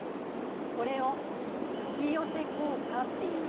これを「吹き寄せ効果」っていうの。